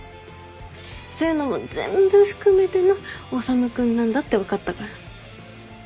そういうのも全部含めての修君なんだって分かったから。